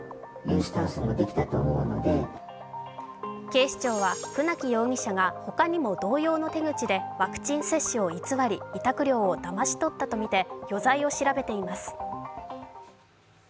警視庁は船木容疑者がほかにも同様の手口でワクチン接種を偽り委託料をだまし取ったとみて余罪を調べています。